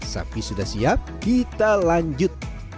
sapi sudah siap kita lanjut